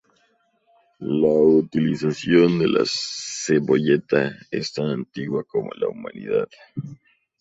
La utilización de la cebolleta es tan antigua como la humanidad.